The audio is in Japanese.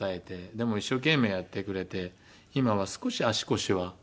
でも一生懸命やってくれて今は少し足腰は良くなった。